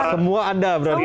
semua ada berarti